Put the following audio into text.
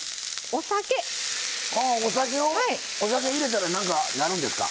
お酒入れたら何かなるんですか？